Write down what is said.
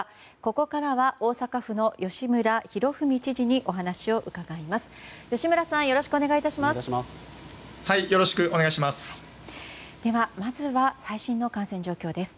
ここからは大阪府の吉村洋文知事にお話を伺います。